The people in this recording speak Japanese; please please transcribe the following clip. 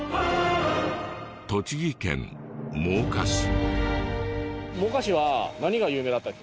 栃木県真岡市。